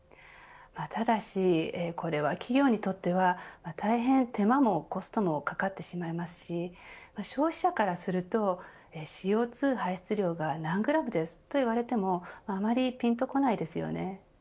ただしこれは企業にとっては大変、手間もコストもかかってしまいますし消費者からするとＣＯ２排出量が何グラムですと言われてもあまりぴんとこないですよね。